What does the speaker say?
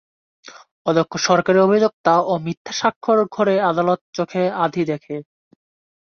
অদক্ষ সরকারি অভিযোক্তা এবং মিথ্যা সাক্ষ্যের ঘোরে আদালত চোখে আঁধি দেখে।